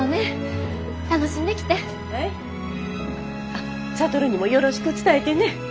あっ智にもよろしく伝えてね。